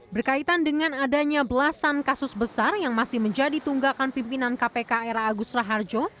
berkaitan dengan adanya belasan kasus besar yang masih menjadi tunggakan pimpinan kpk era agus raharjo